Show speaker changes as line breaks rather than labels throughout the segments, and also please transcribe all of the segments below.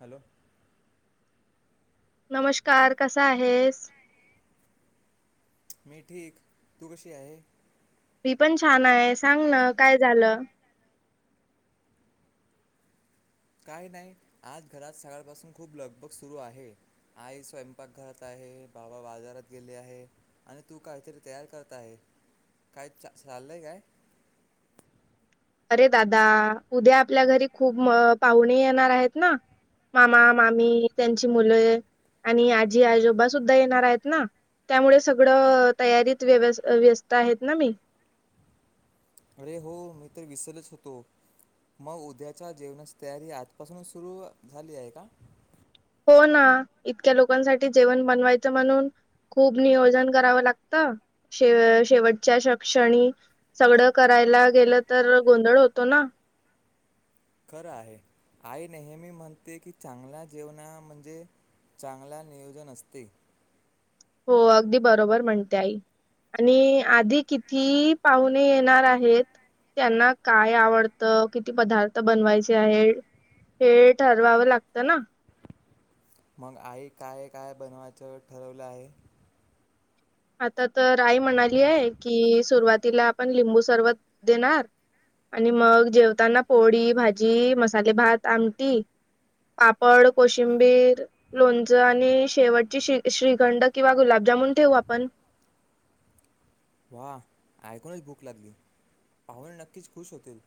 Hello
नमस्कार कसा आहेस?
मी ठीक तू कशी आहे?
मी पण छान आहे सांग ना काय झालं?
काय नाही आज घरात सकाळपासून खूप लगबग सुरू आहे. आई स्वयंपाकघरात आहे बाबा बाजारात गेली आहे. आणि तू काहीतरी तयार करत आहे काय चाललंय काय?
अरे दादा उद्या आपल्या घरी खूप पाहुणे येणार आहेत ना मामा मामी त्यांची मुलं आणि आजी आजोबा सुद्धा येणार आहेत ना. त्यामुळे सगळं तयारीत व्य व्यस्त आहेत ना मी.
अरे हो मी तर विसलच होतो. मग उद्याच्या जेवणाची तयारी आजपासून सुरू झाली आहे का?
हो ना इतक्या लोकांसाठी जेवण बनवायचं म्हणून खूप नियोजन करावं लागतं शेवटच्या क्षणी सगळं करायला गेलं तर गोंधळ होतो ना
खरं आहे आई नेहमी म्हणते की चांगल्या जेवण म्हणजे चांगला नियोजन असते.
हो अगदी बरोबर म्हणते आई आणि आधी किती पाहून येणार आहेत त्यांना काय आवडतं किती पदार्थ बनवायचे आहेत. हे ठरवावं लागतं ना
मग आई काय काय बनवायचं ठरवलं आहे?
आता तर आई म्हणाली आहे की सुरुवातीला आपण लिंबू सरबत देणार आणि मग जेवताना पोळी भाजी मसाले भात आमटी पापड कोशिंबीर. लोणचं आणि शेवटची श्रीखंड किंवा गुलाबजामून ठेवू आपण.
वा ऐकूनच भूक लागली पाहून नक्कीच खुश होतील.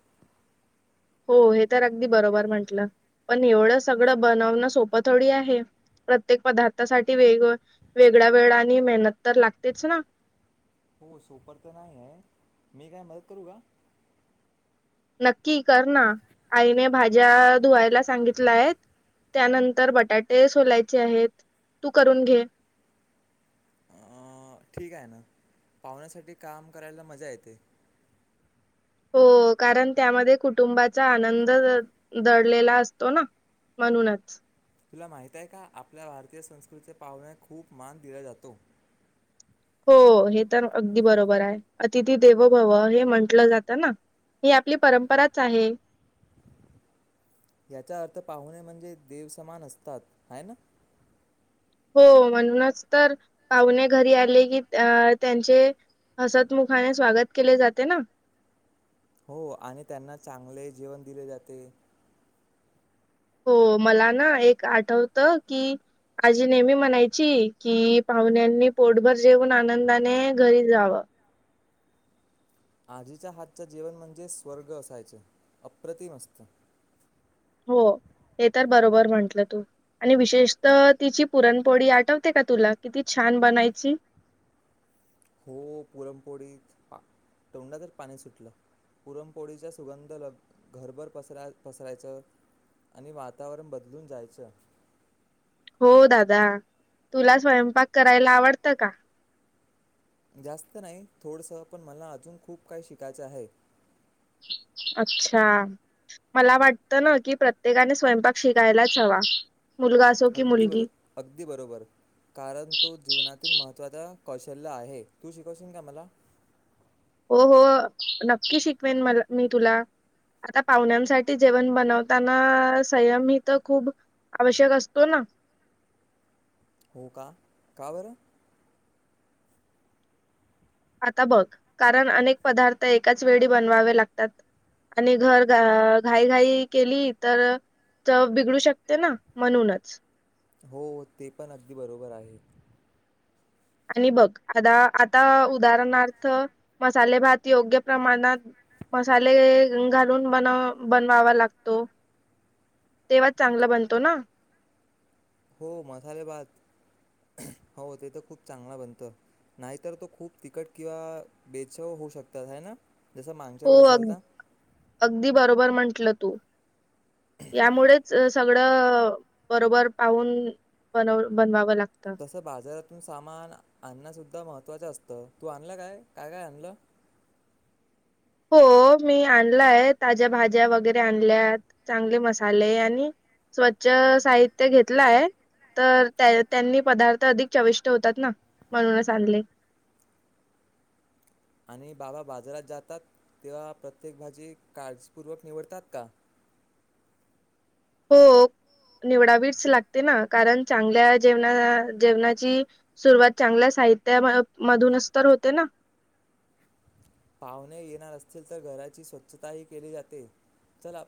हो हे तर अगदी बरोबर म्हंटलं पण एवढं सगळं बनवणं सोपं थोडी आहे. प्रत्येक पदार्थासाठी वेग वेगळ्या वेळा आणि मेहनत तर लागतेच ना
हो सोप तर नाही आहे मी काय मदत करू का?
नक्की कर ना आईने भाज्या धुवायला सांगितला आहे त्यानंतर बटाटे सोलायचे आहेत तू करून घे
ठीक आहे ना पाहण्यासाठी काम करायला मज्जा येते.
हो कारण त्यामध्ये कुटुंबाचा आनंद दडलेला असतो ना. म्हणूनच
तुला माहित आहे का आपल्या भारतीय संस्कृतीचे पाहुणे खूप मान दिला जातो.
हो हे तर अगदी बरोबर आहे अतिथी देवभव हे म्हंटलं जातं ना. ही आपली परंपराच आहे.
याचा अर्थ पाहुणे म्हणजे देवसमान असतात ह ना
हो म्हणूनच तर पाहुने घरी आले की अ त्यांचे हसतमुखाने स्वागत केले जाते ना.
हो आणि त्यांना चांगले जेवण दिले जाते.
हो मला ना एक आठवत की. आजी नेहमी म्हणायची की पाहुण्यांनी पोटभर जेऊन आनंदाने घरी जावं.
आजीच्या हातच जीवन म्हणजे स्वर्ग असायचे अप्रतिम असत.
हो हे तर बरोबर म्हंटलं तू. आणि विशेषत तिची पुरणपोळी आठवते का तुला किती छान बनायची.
हो पुरमपोळीत तोंडा तर पाणी सुटलं. पुरमपोळीच्या सुगंध लग घरभर पसरा पसरायचं. आणि वातावरण बदलून जायचं.
हो दादा तुला स्वयंपाक करायला आवडतं का?
जास्त नाही थोडसं पण मला अजून खूप काही शिकायचं आहे.
अच्छा. मला वाटत ना की प्रत्येकाने स्वयंपाक शिकायलाच हवा मुलगा अस.
अगदी बरो अगदी बरोबर कारण तो जीवनातील महत्त्वाचा कौशल्य आहे तू शिकवशील का मला
हो हो नक्की शिकवेन मला मी तुला आता पाहुण्यांसाठी जेवण बनवताना संयम ही तर खूप आवश्यक असतो ना.
हो का का बरं.
आता बघ कारण अनेक पदार्थ एकाच वेळी बनवावे लागतात. आणि घर घाई घाई केली तर च बिघडू शकते ना म्हणूनच
हो ते पण अगदी बरोबर आहे.
आणि बघ आता आता उदाहरणार्थ मसाले भात योग्य प्रमाणात मसाले. घालून बन बनवावा लागतो तेव्हाच चांगला बनतो ना.
हो मसाले भात हो ते तर खूप चांगला बनतं. नाहीतर तो खूप तिखट किंवा बेचाव होऊ शकतात आहे ना. जसं मागच्या
हो
वेळेस
अग
झालता
अगदी बरोबर म्हंटलं तू यामुळेच सगळं बरोबर पाहून बनव बनवावं लागतं.
तसं बाजारातून सामान आणण्यासुद्धा महत्त्वाचं असतं तू आणला काय काय काय आणलं.
हो मी आणलाय ताज्या भाज्या वगैरे आणल्यात चांगले मसाले आणि स्वच्छ साहित्य घेतलाय तर त्या त्यांनी पदार्थ अधिक चविष्ट होतात ना म्हणून आणले
आणि बाबा बाजारात जातात तेव्हा प्रत्येक भाजी काळजीपूर्वक निवडतात का
हो निवडावीच लागते ना कारण चांगल्या जेवणा जेवणाची सुरुवात चांगल्या साहित्या मधूनच तर होते ना
पाहुणे येणार असतील तर घराची स्वच्छताही केली जाते चला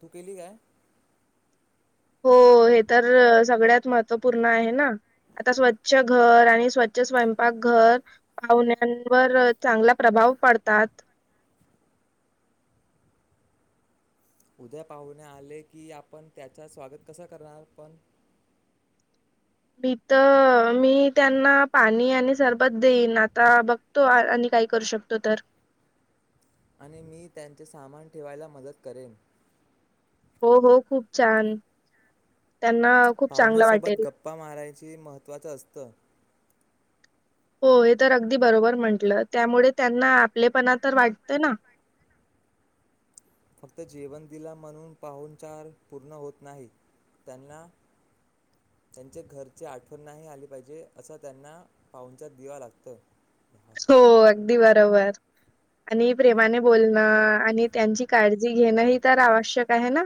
तू केली काय
हो हे तर सगळ्यात महत्त्वपूर्ण आहे ना आता स्वच्छ घर आणि स्वच्छ स्वयंपाकघर पाहुण्यांवर चांगला प्रभाव पडतात
उद्या पाहुणे आले की आपण त्याच स्वागत कसं करणार पण
भी तर मी त्यांना पाणी आणि सरबत देईन आता बघतो आणि काय करू शकतो तर
आणि मी त्यांचे सामान ठेवायला मदत करेन
हो हो खूप छान त्यांना खूप चांगलं
पाहुण्यांसोबत
वाटेल.
गप्पा मारायच महत्त्वाचं असतं
हो हे तर अगदी बरोबर म्हंटलं त्यामुळे त्यांना आपलेपणा तर वाटतं ना
फक्त जेवन दिल म्हणून पाहून चार पूर्ण होत नाही त्यांना त्यांचे घरची आठवण नाही आली पाहिजे असं त्यांना पाहुचार दिवा लागतं. [unintelligible]
हो अगदी बरोबर आणि प्रेमाने बोलणं आणि त्यांची काळजी घेणं ही तर आवश्यक आहे ना.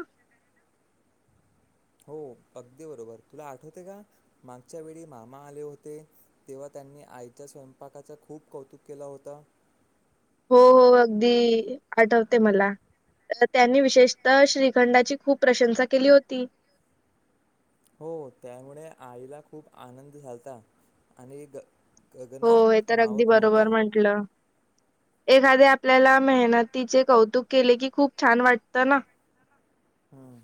हो अगदी बरोबर तुला आठवते का मागच्या वेळी मामा आले होते. तेव्हा त्यांनी आईच्या स्वयंपाकाचं खूप कौतुक केला होता.
हो हो अगदी आठवते मला त्यांनी विशेषतः श्रीखंडाची खूप प्रशंसा केली होती.
हो त्यामुळे आईला खूप आनंद झालता आणि ग..
हो हे
गगनात
तर अगदी
मावत
बरोबर
नव्हता.
म्हंटलं एखादे आपल्याला मेहनतीचे कौतुक केले की खूप छान वाटतं ना
हम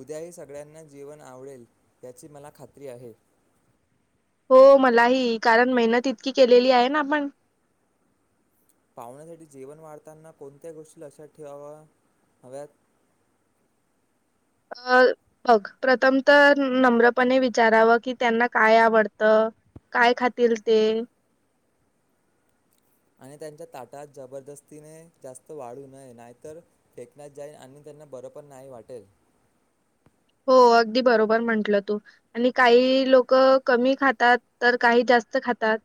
उद्याही सगळ्यांना जेवन आवडेल याची मला खात्री आहे.
हो मलाही कारण मेहनत इतकी केलेली आहे ना आपण
पाहुण्यासाठी जेवन वाढताना कोणत्या गोष्टी लक्षात ठेवाव्या हव्यात
अ बघ प्रथम तर नम्रपणे विचारावं की त्यांना काय आवडतं काय खातील ते
आणि त्यांच्या ताटात जबरदस्तीने जास्त वाढू नये नाहीतर फेकण्यात जाईल आणि त्यांना बरं पण नाही वाटेल
हो अगदी बरोबर म्हंटलं तू आणि काही लोक कमी खातात तर काही जास्त खातात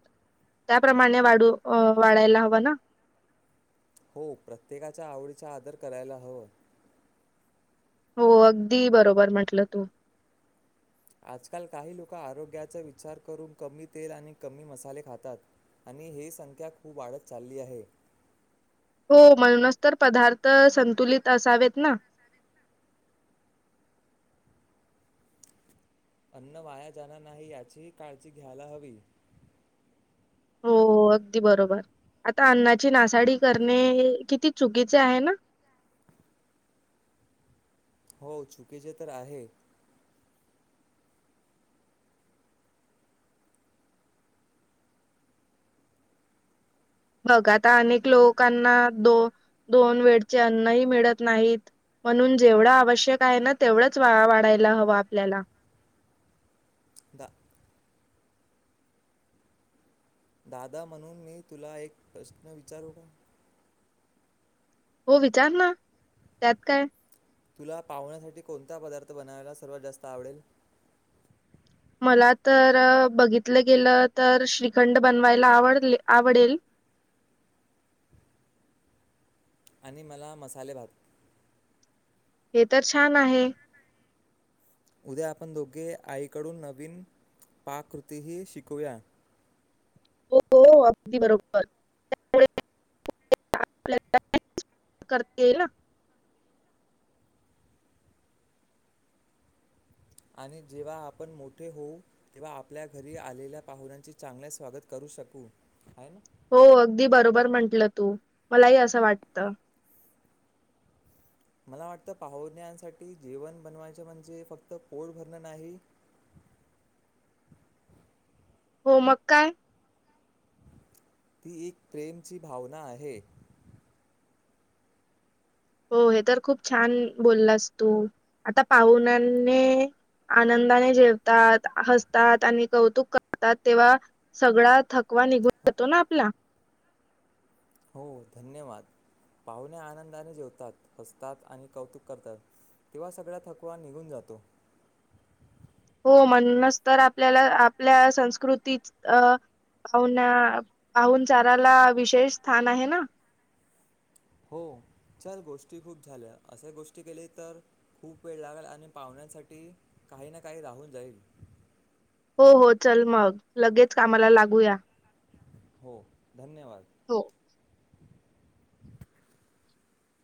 त्याप्रमाणे वाढू वाढायला हवं ना.
हो प्रत्येकाच्या आवडीचा आदर करायला हवां
हो अगदी बरोबर म्हटलं तू.
आजकाल काही लोक आरोग्याचा विचार करून कमी तेल आणि कमी मसाले खातात. आणि ही संख्या खूप वाढत चालली आहे.
हो म्हणूनच तर पदार्थ संतुलित असावेत ना
अन्न वाया जाणार नाही याचीही काळजी घ्यायला हवी
हो अगदी बरोबर आता अन्नाची नासाडी करणे किती चुकीचे आहे ना
हो चुकीचे तर आहे
बघ आता अनेक लोकांना दो दोन वेळचे अन्नही मिळत नाहीत म्हणून जेवढं आवश्यक आहे ना तेवढंच वा वाढायला हवं आपल्याला
दा दादा म्हणून मी तुला एक प्रश्न विचारू का
हो विचार ना त्यात काय
तुला पाहुण्यासाठी कोणता पदार्थ बनावायला सर्वात जास्त आवडेल
मला तर बघितलं गेलं तर श्रीखंड बनवायला आवड आवडेल
आणि मला मसाले भात
हे तर छान आहे.
उद्या आपण दोघे आईकडून नवीन पाककृतीही शिकूया
हो हो अगदी बरोबर त्यामुळे [unintelligible]
आणि जेव्हा आपण मोठे होऊ तेव्हा आपल्या घरी आलेल्या पाहुण्यांचे चांगले स्वागत करू शकू आहे ना
हो अगदी बरोबर म्हंटलं तू मलाही असं वाटतं
मला वाटतं पाहुण्यांसाठी जेवण बनवायच म्हणजे फक्त पोट भरणं नाही
हो मग काय
ती एक प्रेमची भावना आहे
हो हे तर खूप छान बोललंस तू आता पाहुनांने आनंदाने जेवतात हसतात आणि कौतुक करतात तेव्हा सगळा थकवा निघून जातो ना आपला
हो धन्यवाद पाहुणे आनंदाने जेवतात हसतात आणि कौतुक करतात तेव्हा सगळा थकवा निघून जातो
हो म्हणणच तर आपल्याला आपल्या संस्कृती अ पाहुना पाहन चाराला विशेष स्थान आहे ना
हो चल गोष्टी खूप झाल्या असे गोष्टी केल्या तर खूप वेळ लागेल आणि पाहुण्यांसाठी काही ना काही राहून जाईल
हो हो चल मग लगेच कामाला लागूया
हो धन्यवाद
हो